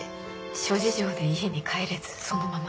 諸事情で家に帰れずそのまま。